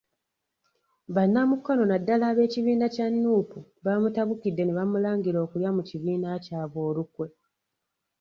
Bannamukono naddala ab'ekibiina kya Nuupu baamutabukidde ne bamulangira okulya mu kibiina kyabwe olukwe.